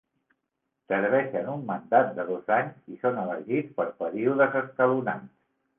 Serveixen un mandat de dos anys i són elegits per períodes escalonats.